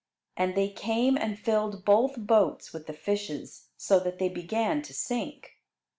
And they came and filled both boats with the fishes, so that they began to sink.